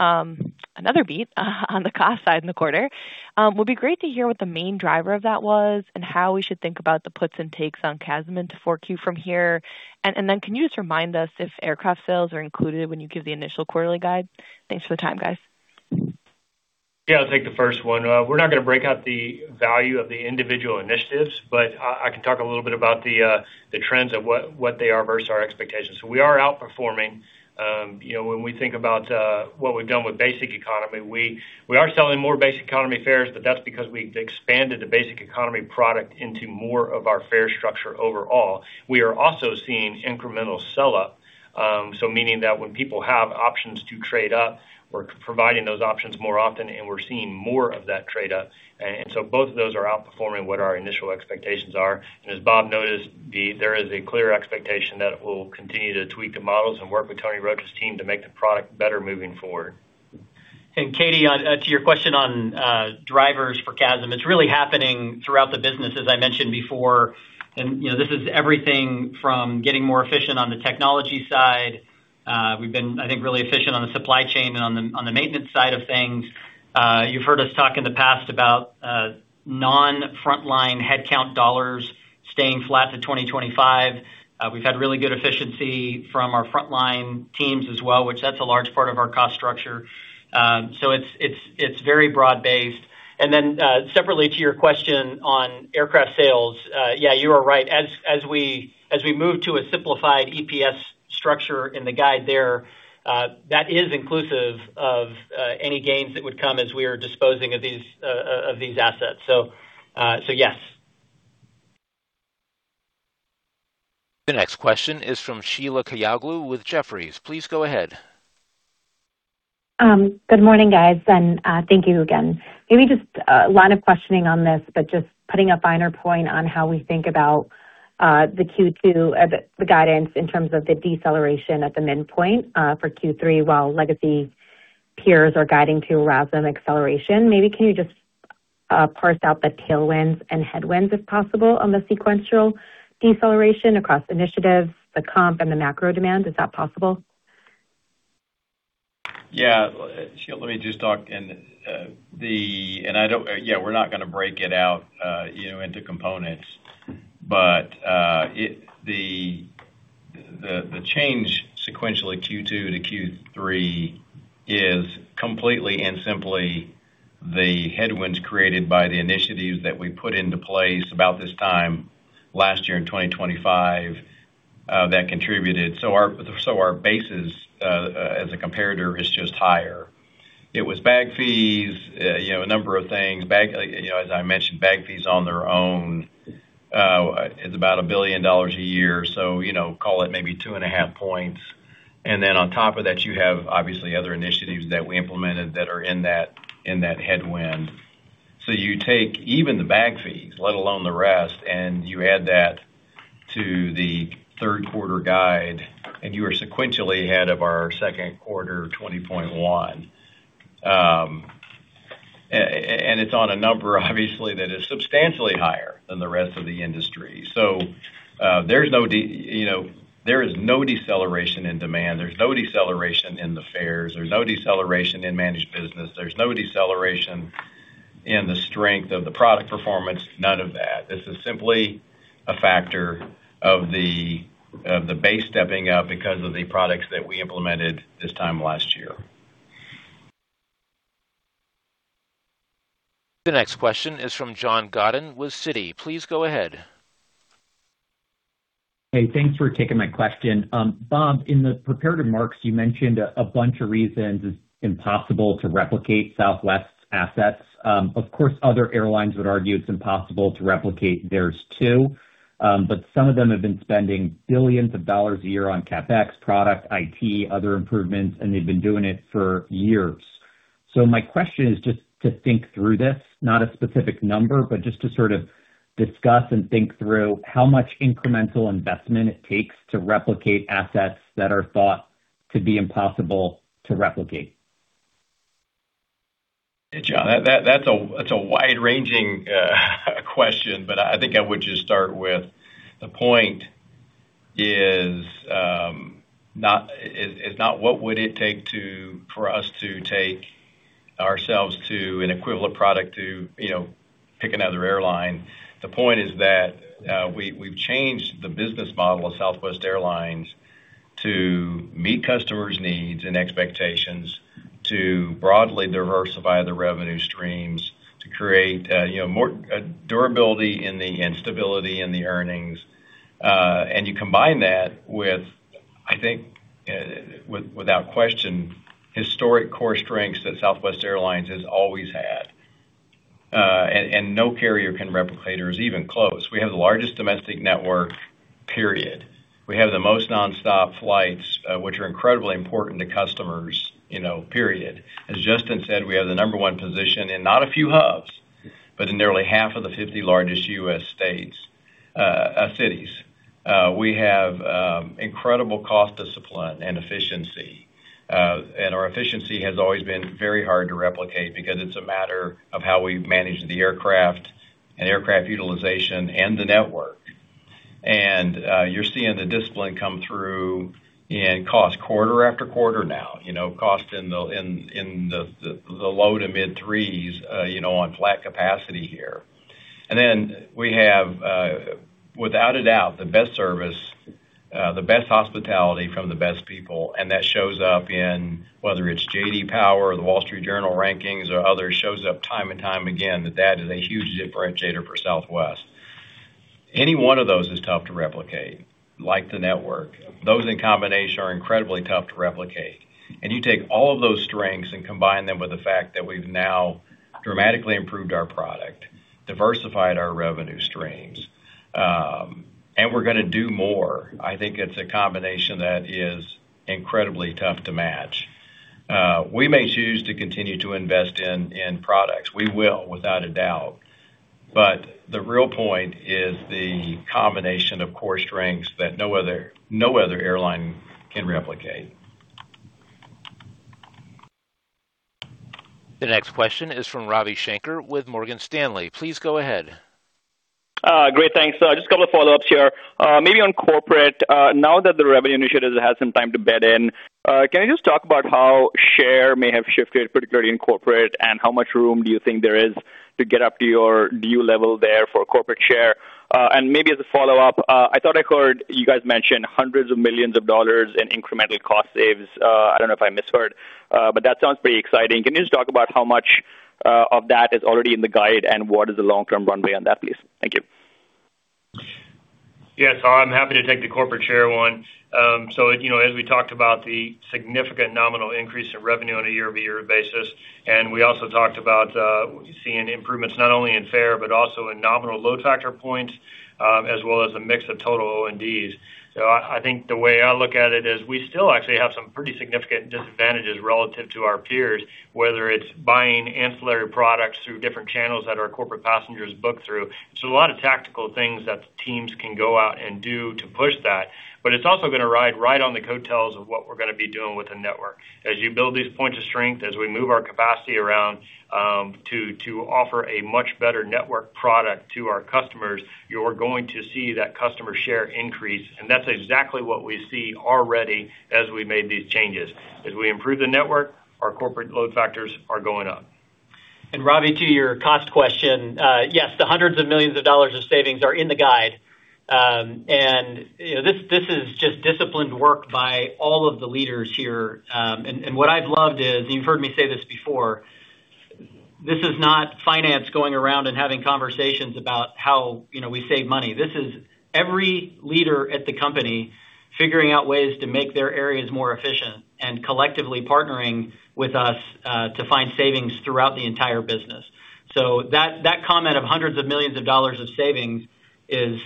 another beat on the cost side in the quarter. It would be great to hear what the main driver of that was and how we should think about the puts and takes on CASM into 4Q from here. Can you just remind us if aircraft sales are included when you give the initial quarterly guide? Thanks for the time, guys. Yeah, I'll take the first one. We're not going to break out the value of the individual initiatives, I can talk a little bit about the trends of what they are versus our expectations. We are outperforming. When we think about what we've done with basic economy, we are selling more basic economy fares, that's because we've expanded the basic economy product into more of our fare structure overall. We are also seeing incremental sell-up, so meaning that when people have options to trade-up, we're providing those options more often, and we're seeing more of that trade-up. Both of those are outperforming what our initial expectations are. As Bob noted, there is a clear expectation that we'll continue to tweak the models and work with Tony Roach' team to make the product better moving forward. Katie, to your question on drivers for CASM, it's really happening throughout the business, as I mentioned before, this is everything from getting more efficient on the technology side. We've been, I think, really efficient on the supply chain and on the maintenance side of things. You've heard us talk in the past about non-frontline headcount dollars staying flat to 2025. We've had really good efficiency from our frontline teams as well, which that's a large part of our cost structure. It's very broad-based. Separately to your question on aircraft sales, yeah, you are right. As we move to a simplified EPS structure in the guide there, that is inclusive of any gains that would come as we are disposing of these assets. Yes. The next question is from Sheila Kahyaoglu with Jefferies. Please go ahead. Good morning, guys, and thank you again. Maybe just a line of questioning on this, just putting a finer point on how we think about the Q2, the guidance in terms of the deceleration at the midpoint for Q3, while legacy peers are guiding to rather than acceleration. Maybe can you just parse out the tailwinds and headwinds, if possible, on the sequential deceleration across initiatives, the comp and the macro demand, is that possible? Yeah. Sheila, let me just talk, we're not going to break it out into components. The change sequentially Q2-Q3 is completely and simply the headwinds created by the initiatives that we put into place about this time last year in 2025, that contributed. Our bases as a comparator is just higher. It was bag fees, a number of things. As I mentioned, bag fees on their own, it's about $1 billion a year. Call it maybe 2.5 points. On top of that, you have obviously other initiatives that we implemented that are in that headwind. You take even the bag fees, let alone the rest, you add that to the third quarter guide, you are sequentially ahead of our second quarter 2021. It's on a number obviously that is substantially higher than the rest of the industry. There is no deceleration in demand. There's no deceleration in the fares. There's no deceleration in managed business. There's no deceleration in the strength of the product performance, none of that. This is simply a factor of the base stepping up because of the products that we implemented this time last year. The next question is from John Godyn with Citi. Please go ahead. Hey, thanks for taking my question. Bob, in the prepared remarks, you mentioned a bunch of reasons it's impossible to replicate Southwest's assets. Of course, other airlines would argue it's impossible to replicate theirs, too. Some of them have been spending billions of dollars a year on CapEx, product, IT, other improvements, and they've been doing it for years. My question is just to think through this, not a specific number, but just to sort of discuss and think through how much incremental investment it takes to replicate assets that are thought to be impossible to replicate. Hey, John. That's a wide-ranging question. I think I would just start with the point is not what would it take for us to take ourselves to an equivalent product to pick another airline. The point is that we've changed the business model of Southwest Airlines to meet customers' needs and expectations To broadly diversify the revenue streams to create more durability and stability in the earnings. You combine that with, I think, without question, historic core strengths that Southwest Airlines has always had. No carrier can replicate or is even close. We have the largest domestic network, period. We have the most non-stop flights, which are incredibly important to customers, period. As Justin said, we have the number 1 position in not a few hubs, but in nearly half of the 50 largest U.S. cities. We have incredible cost discipline and efficiency. Our efficiency has always been very hard to replicate because it's a matter of how we've managed the aircraft and aircraft utilization and the network. You're seeing the discipline come through in cost quarter after quarter now. Cost in the low to mid threes on flat capacity here. Then we have, without a doubt, the best service, the best hospitality from the best people, and that shows up in whether it's J.D. Power or The Wall Street Journal rankings or others, shows up time and time again, that is a huge differentiator for Southwest. Any one of those is tough to replicate, like the network. Those in combination are incredibly tough to replicate. You take all of those strengths and combine them with the fact that we've now dramatically improved our product, diversified our revenue streams, and we're going to do more. I think it's a combination that is incredibly tough to match. We may choose to continue to invest in products. We will, without a doubt. The real point is the combination of core strengths that no other airline can replicate. The next question is from Ravi Shanker with Morgan Stanley. Please go ahead. Great, thanks. Just a couple of follow-ups here. Maybe on corporate, now that the revenue initiatives has had some time to bed in, can you just talk about how share may have shifted, particularly in corporate, and how much room do you think there is to get up to your view level there for corporate share? Maybe as a follow-up, I thought I heard you guys mention hundreds of millions of dollars in incremental cost saves. I don't know if I misheard. That sounds pretty exciting. Can you just talk about how much of that is already in the guide, and what is the long-term runway on that, please? Thank you. Yes. I'm happy to take the corporate share one. As we talked about the significant nominal increase in revenue on a year-over-year basis, we also talked about seeing improvements not only in fare, but also in nominal load factor points, as well as a mix of total O&D. I think the way I look at it is we still actually have some pretty significant disadvantages relative to our peers, whether it's buying ancillary products through different channels that our corporate passengers book through. A lot of tactical things that teams can go out and do to push that. It's also going to ride right on the coattails of what we're going to be doing with the network. As you build these points of strength, as we move our capacity around to offer a much better network product to our customers, you're going to see that customer share increase, and that's exactly what we see already as we made these changes. As we improve the network, our corporate load factors are going up. Ravi, to your cost question, yes, the hundreds of millions of dollars of savings are in the guide. This is just disciplined work by all of the leaders here. What I've loved is, you've heard me say this before, this is not finance going around and having conversations about how we save money. This is every leader at the company figuring out ways to make their areas more efficient and collectively partnering with us to find savings throughout the entire business. That comment of hundreds of millions of dollars of savings is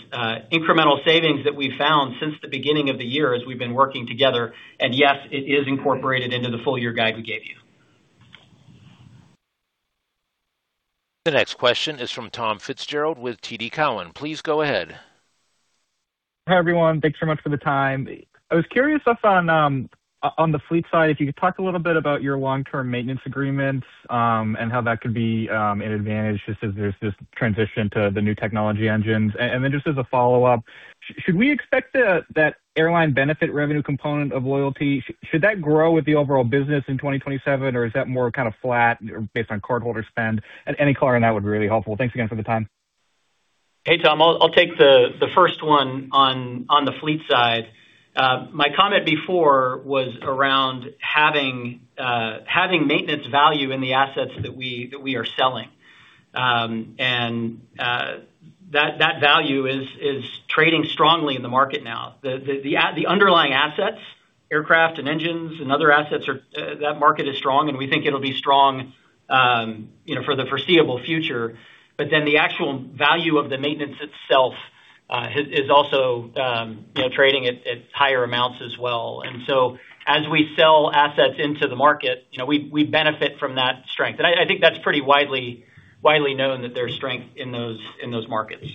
incremental savings that we've found since the beginning of the year as we've been working together. Yes, it is incorporated into the full year guide we gave you. The next question is from Tom Fitzgerald with TD Cowen. Please go ahead. Hi, everyone. Thanks so much for the time. I was curious up on the fleet side, if you could talk a little bit about your long-term maintenance agreements, how that could be an advantage just as there's this transition to the new technology engines. Just as a follow-up, should we expect that airline benefit revenue component of loyalty, should that grow with the overall business in 2027? Is that more kind of flat based on cardholder spend? Any color on that would be really helpful. Thanks again for the time. Hey, Tom. I'll take the first one on the fleet side. My comment before was around having maintenance value in the assets that we are selling. That value is trading strongly in the market now. The underlying assets, aircraft and engines and other assets, that market is strong, and we think it'll be strong for the foreseeable future. The actual value of the maintenance itself is also trading at higher amounts as well. As we sell assets into the market, we benefit from that strength. I think that's pretty widely known that there's strength in those markets.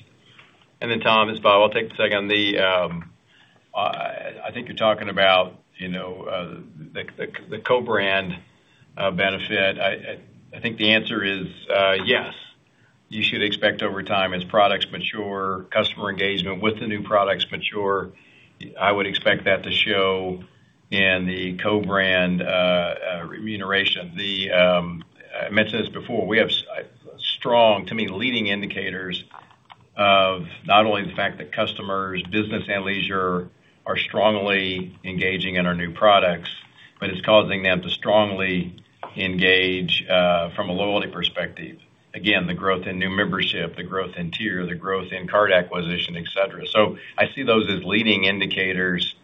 Tom, it's Bob, I'll take the second. I think you're talking about the co-brand benefit. I think the answer is yes, you should expect over time as products mature, customer engagement with the new products mature, I would expect that to show in the co-brand remuneration. I mentioned this before, we have strong, to me, leading indicators Of not only the fact that customers, business and leisure, are strongly engaging in our new products, but it's causing them to strongly engage from a loyalty perspective. Again, the growth in new membership, the growth in tier, the growth in card acquisition, et cetera. I see those as leading indicators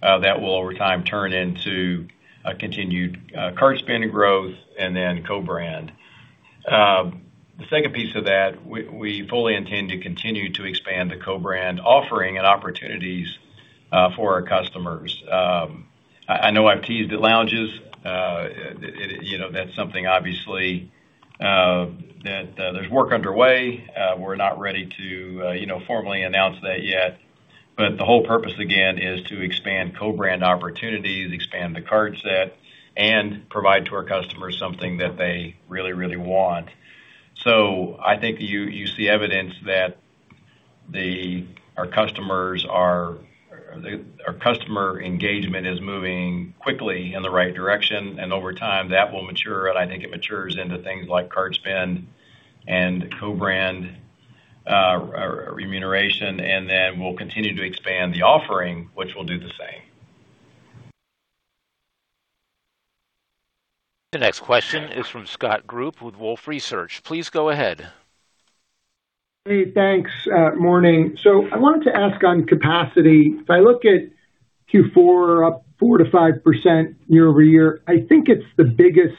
that will over time turn into continued card spend growth and then co-brand. The second piece of that, we fully intend to continue to expand the co-brand offering and opportunities for our customers. I know I've teased the lounges. That's something, obviously, that there's work underway. We're not ready to formally announce that yet. The whole purpose, again, is to expand co-brand opportunities, expand the card set, and provide to our customers something that they really, really want. I think you see evidence that our customer engagement is moving quickly in the right direction, over time, that will mature, I think it matures into things like card spend and co-brand remuneration, we'll continue to expand the offering, which will do the same. The next question is from Scott Group with Wolfe Research. Please go ahead. Hey, thanks. Morning. I wanted to ask on capacity. If I look at Q4 up 4%-5% year-over-year, I think it's the biggest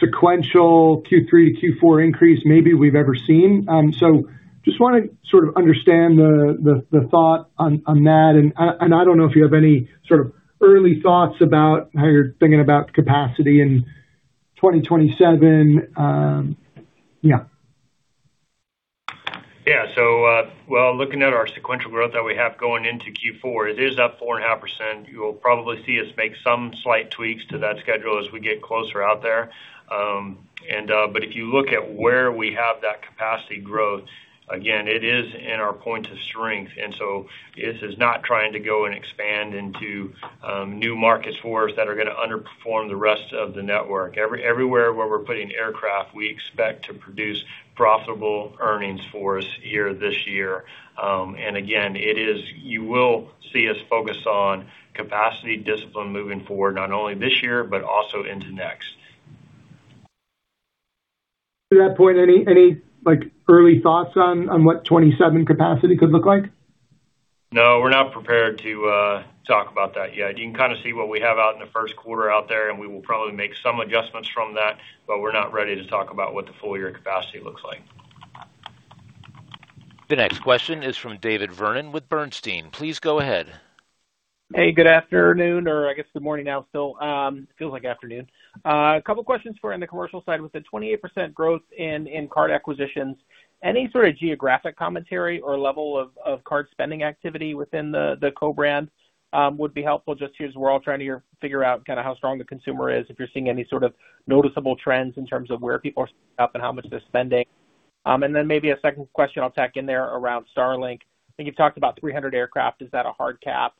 sequential Q3 to Q4 increase maybe we've ever seen. Just want to sort of understand the thought on that, I don't know if you have any sort of early thoughts about how you're thinking about capacity in 2027. Well, looking at our sequential growth that we have going into Q4, it is up 4.5%. You'll probably see us make some slight tweaks to that schedule as we get closer out there. If you look at where we have that capacity growth, again, it is in our point of strength, this is not trying to go and expand into new markets for us that are going to underperform the rest of the network. Everywhere where we're putting aircraft, we expect to produce profitable earnings for us this year. Again, you will see us focus on capacity discipline moving forward, not only this year, but also into next. To that point, any early thoughts on what 2027 capacity could look like? No, we're not prepared to talk about that yet. You can kind of see what we have out in the first quarter out there, and we will probably make some adjustments from that, but we're not ready to talk about what the full-year capacity looks like. The next question is from David Vernon with Bernstein. Please go ahead. Hey, good afternoon or I guess it's morning now still. Feels like afternoon. A couple of questions for on the commercial side with the 28% growth in card acquisitions. Any sort of geographic commentary or level of card spending activity within the co-brand would be helpful just as we're all trying to figure out how strong the consumer is, if you're seeing any sort of noticeable trends in terms of where people are spending and how much they're spending. Then maybe a second question I'll tack in there around Starlink. I think you've talked about 300 aircraft. Is that a hard cap?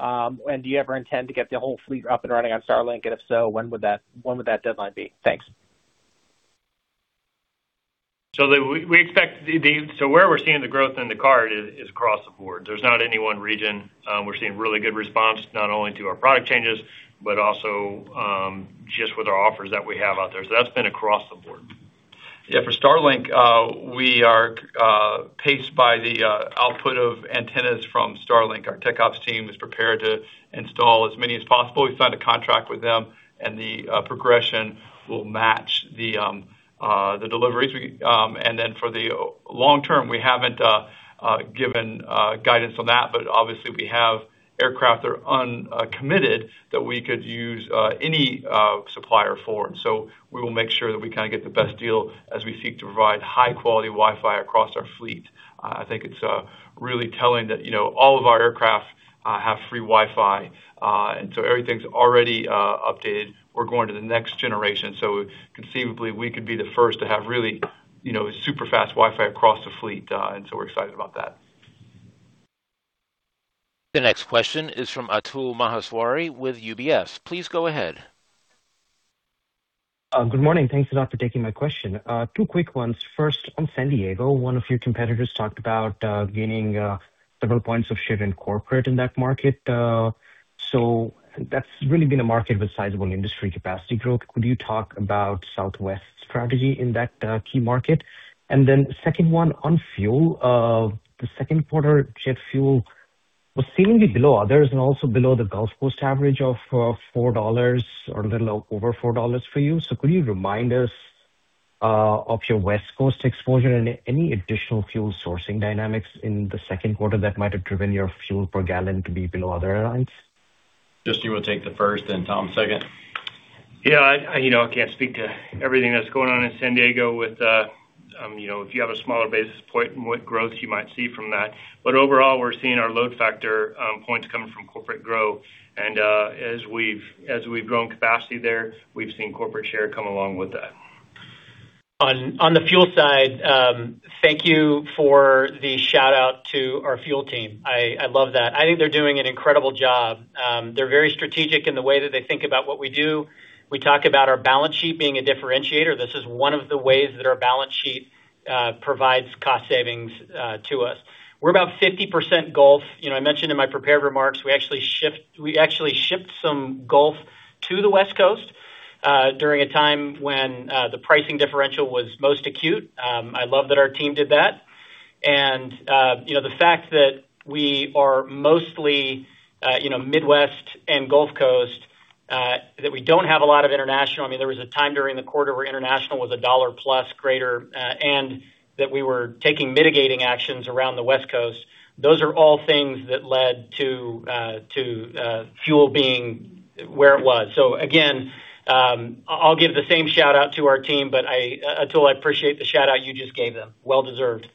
Do you ever intend to get the whole fleet up and running on Starlink? And if so, when would that deadline be? Thanks. Where we're seeing the growth in the card is across the board. There's not any one region. We're seeing really good response, not only to our product changes, but also just with our offers that we have out there. That's been across the board. For Starlink, we are paced by the output of antennas from Starlink. Our tech ops team is prepared to install as many as possible. We've signed a contract with them. The progression will match the deliveries. For the long term, we haven't given guidance on that, but obviously we have aircraft that are uncommitted that we could use any supplier for. We will make sure that we kind of get the best deal as we seek to provide high-quality Wi-Fi across our fleet. I think it's really telling that all of our aircraft have free Wi-Fi. Everything's already updated. We're going to the next generation. Conceivably, we could be the first to have really super-fast Wi-Fi across the fleet. We're excited about that. The next question is from Atul Maheswari with UBS. Please go ahead. Good morning. Thanks a lot for taking my question. Q2uick ones. First, on San Diego, one of your competitors talked about gaining several points of share in corporate in that market. That's really been a market with sizable industry capacity growth. Could you talk about Southwest's strategy in that key market? Second one on fuel. The second quarter jet fuel was seemingly below others and also below the Gulf Coast average of $4 or a little over $4 for you. Could you remind us of your West Coast exposure and any additional fuel sourcing dynamics in the second quarter that might have driven your fuel per gallon to be below other airlines? Justin will take the first, then Tom second. I can't speak to everything that's going on in San Diego if you have a smaller basis point and what growth you might see from that. Overall, we're seeing our load factor points coming from corporate growth. As we've grown capacity there, we've seen corporate share come along with that. On the fuel side, thank you for the shout-out to our fuel team. I love that. I think they're doing an incredible job. They're very strategic in the way that they think about what we do. We talk about our balance sheet being a differentiator. This is one of the ways that our balance sheet provides cost savings to us. We're about 50% Gulf. I mentioned in my prepared remarks, we actually shipped some Gulf to the West Coast during a time when the pricing differential was most acute. I love that our team did that. The fact that we are mostly Midwest and Gulf Coast, that we don't have a lot of international, I mean, there was a time during the quarter where international was $1 plus greater and that we were taking mitigating actions around the West Coast. Those are all things that led to fuel being where it was. Again, I'll give the same shout-out to our team, Atul, I appreciate the shout-out you just gave them. Well deserved.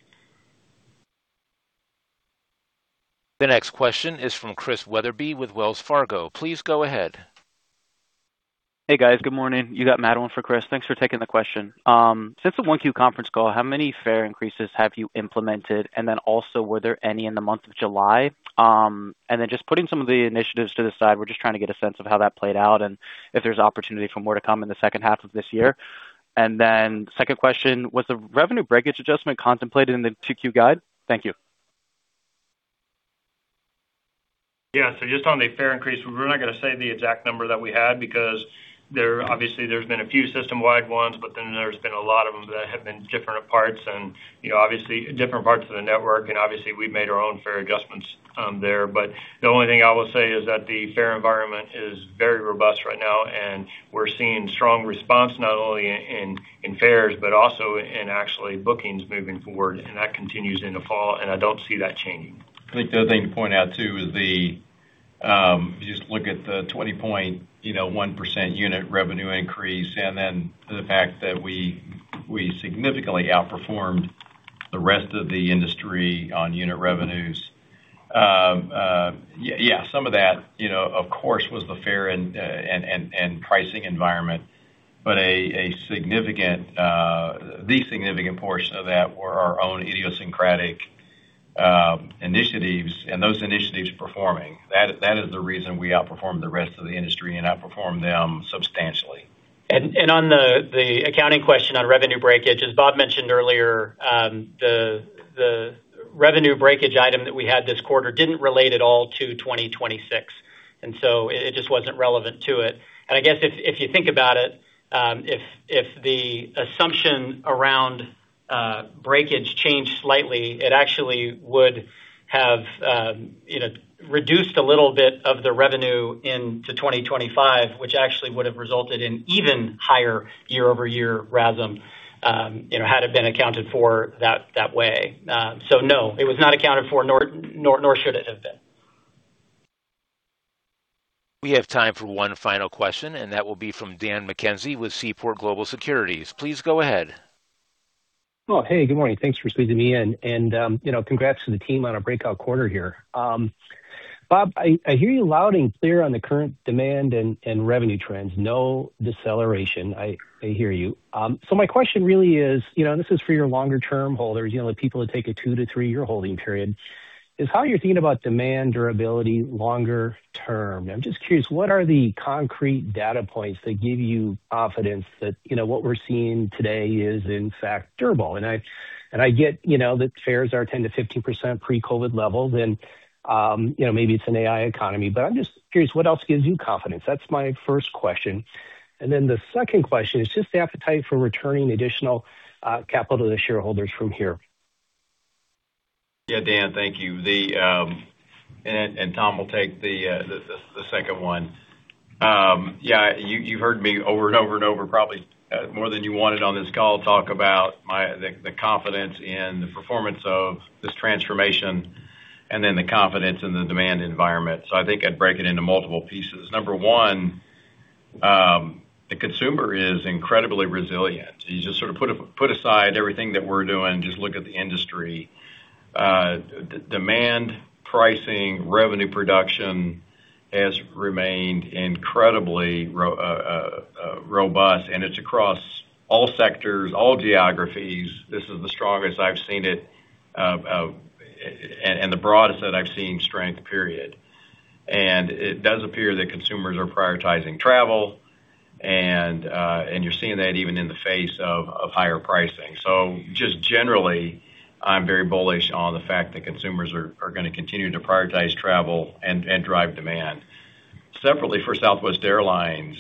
The next question is from Chris Wetherbee with Wells Fargo. Please go ahead. Hey, guys. Good morning. You got Madeleine for Chris. Thanks for taking the question. Since the Q1 conference call, how many fare increases have you implemented? Also, were there any in the month of July? Just putting some of the initiatives to the side, we're just trying to get a sense of how that played out and if there's opportunity for more to come in the second half of this year. Second question, was the revenue breakage adjustment contemplated in the 2Q guide? Thank you. Just on the fare increase, we're not going to say the exact number that we had because obviously there's been a few system-wide ones, there's been a lot of them that have been different parts of the network, obviously we've made our own fare adjustments there. The only thing I will say is that the fare environment is very robust right now, and we're seeing strong response not only in fares, but also in actually bookings moving forward. That continues in the fall, and I don't see that changing. I think the other thing to point out too is if you just look at the 20.1% unit revenue increase, the fact that we significantly outperformed the rest of the industry on unit revenues. Yeah, some of that, of course, was the fare and pricing environment, the significant portion of that were our own idiosyncratic initiatives and those initiatives performing. That is the reason we outperformed the rest of the industry and outperformed them substantially. On the accounting question on revenue breakage, as Bob mentioned earlier, the revenue breakage item that we had this quarter didn't relate at all to 2026, it just wasn't relevant to it. I guess if you think about it, if the assumption around breakage changed slightly, it actually would have reduced a little bit of the revenue into 2025, which actually would have resulted in even higher year-over-year RASM had it been accounted for that way. No, it was not accounted for, nor should it have been. We have time for one final question. That will be from Dan McKenzie with Seaport Global Securities. Please go ahead. Well, hey, good morning. Thanks for squeezing me in. Congrats to the team on a breakout quarter here. Bob, I hear you loud and clear on the current demand and revenue trends. No deceleration. I hear you. My question really is, and this is for your longer-term holders, the people that take a 2-3 year holding period, is how you're thinking about demand durability longer term. I'm just curious, what are the concrete data points that give you confidence that what we're seeing today is in fact durable? I get that fares are 10%-15% pre-COVID levels and maybe it's an AI economy, I'm just curious, what else gives you confidence? That's my first question. The second question is just the appetite for returning additional capital to shareholders from here. Yeah, Dan, thank you. Tom will take the second one. You've heard me over and over and over, probably more than you wanted on this call, talk about the confidence in the performance of this transformation, the confidence in the demand environment. I think I'd break it into multiple pieces. Number one, the consumer is incredibly resilient. You just sort of put aside everything that we're doing, just look at the industry. Demand pricing, revenue production has remained incredibly robust, it's across all sectors, all geographies. This is the strongest I've seen it and the broadest that I've seen strength, period. It does appear that consumers are prioritizing travel, you're seeing that even in the face of higher pricing. Just generally, I'm very bullish on the fact that consumers are going to continue to prioritize travel and drive demand. Separately for Southwest Airlines,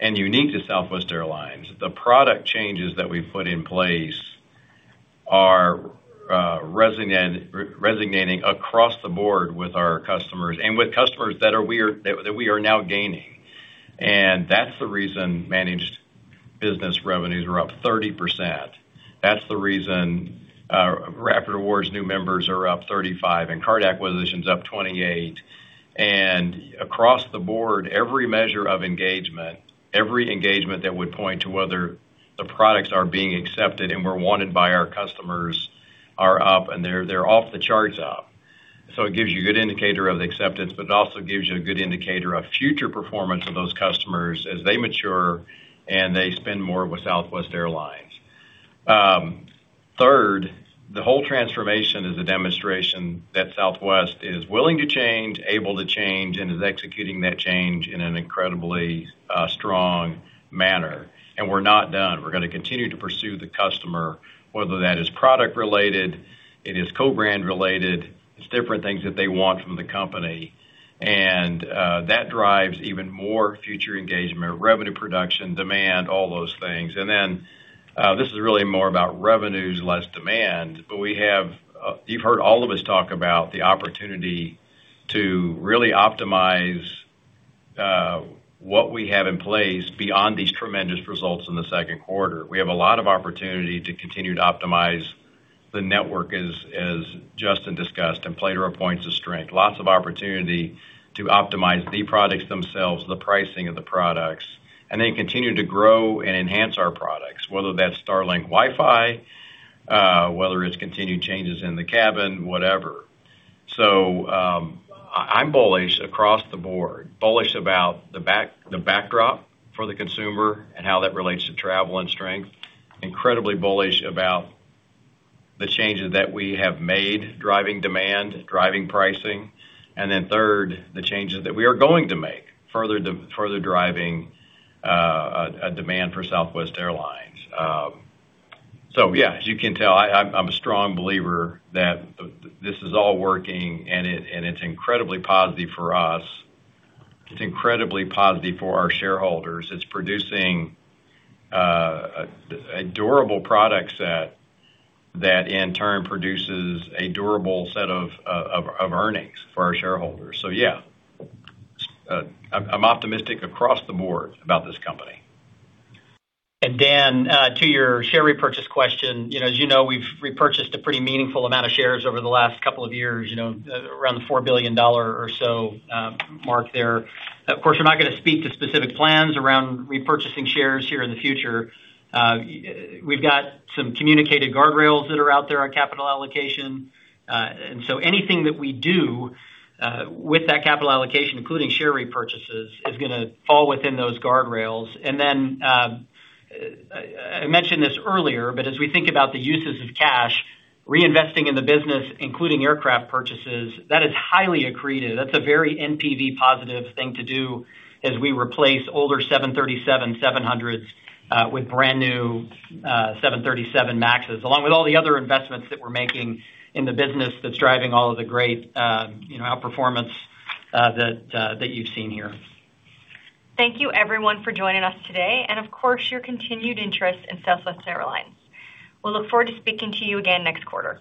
unique to Southwest Airlines, the product changes that we've put in place are resonating across the board with our customers and with customers that we are now gaining. That's the reason managed business revenues are up 30%. That's the reason Rapid Rewards new members are up 35% and card acquisitions up 28%. Across the board, every measure of engagement, every engagement that would point to whether the products are being accepted and were wanted by our customers are up, they're off the charts up. It gives you a good indicator of the acceptance, it also gives you a good indicator of future performance of those customers as they mature and they spend more with Southwest Airlines. Third, the whole transformation is a demonstration that Southwest is willing to change, able to change, and is executing that change in an incredibly strong manner. We're not done. We're going to continue to pursue the customer, whether that is product related, it is co-brand related, it's different things that they want from the company. That drives even more future engagement, revenue production, demand, all those things. This is really more about revenues, less demand. You've heard all of us talk about the opportunity to really optimize what we have in place beyond these tremendous results in the second quarter. We have a lot of opportunity to continue to optimize the network, as Justin discussed, and play to our points of strength. Lots of opportunity to optimize the products themselves, the pricing of the products. Continue to grow and enhance our products, whether that's Starlink Wi-Fi, whether it's continued changes in the cabin, whatever. I'm bullish across the board. Bullish about the backdrop for the consumer and how that relates to travel and strength. Incredibly bullish about the changes that we have made, driving demand, driving pricing. Third, the changes that we are going to make, further driving a demand for Southwest Airlines. Yeah, as you can tell, I'm a strong believer that this is all working and it's incredibly positive for us. It's incredibly positive for our shareholders. It's producing a durable product set that in turn produces a durable set of earnings for our shareholders. Yeah. I'm optimistic across the board about this company. Dan, to your share repurchase question, as you know, we've repurchased a pretty meaningful amount of shares over the last couple of years, around the $4 billion or so mark there. Of course, we're not going to speak to specific plans around repurchasing shares here in the future. We've got some communicated guardrails that are out there on capital allocation. Anything that we do with that capital allocation, including share repurchases, is going to fall within those guardrails. I mentioned this earlier, but as we think about the uses of cash, reinvesting in the business, including aircraft purchases, that is highly accretive. That's a very NPV positive thing to do as we replace older 737-700s with brand new 737 MAXs, along with all the other investments that we're making in the business that's driving all of the great outperformance that you've seen here. Thank you everyone for joining us today and, of course, your continued interest in Southwest Airlines. We'll look forward to speaking to you again next quarter.